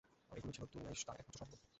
আর এগুলোই ছিল দুনিয়ায় তাঁর একমাত্র সম্বল।